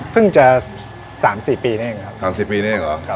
เพิ่งจะสามสี่ปีนี่เองครับสามสิบปีนี่เองเหรอครับ